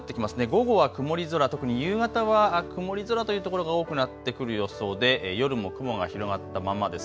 午後は曇り空、特に夕方は曇り空というところが多くなってくる予想で夜も雲が広がったままです。